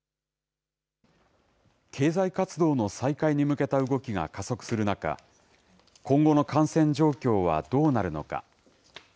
経済活動の再開に向けた動きが加速する中、今後の感染状況はどうなるのか。